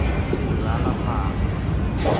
เสือลำบาก